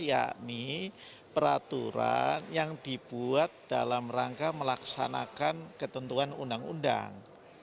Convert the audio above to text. yakni peraturan yang dibuat dalam rangka melaksanakan ketentuan undang undang